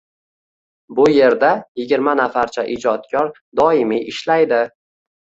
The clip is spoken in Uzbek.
Bu yerda yigirma nafarcha ijodkor doimiy ishlaydi.